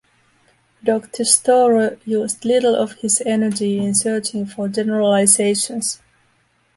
Dr. Storer used little of his energy in searching for generalizations.